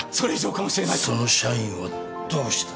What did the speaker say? その社員はどうした？